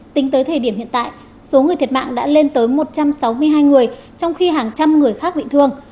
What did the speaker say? tính tới thời điểm hiện tại số người thiệt mạng đã lên tới một trăm sáu mươi hai người trong khi hàng trăm người khác bị thương